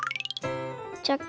チョキ。